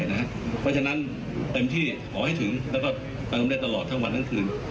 เพราะฉะนั้นเต็มที่ขอให้ถึงแล้วก็เติมได้ตลอดทั้งวันทั้งคืน